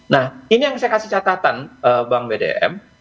nah ini yang saya kasih catatan bang bdm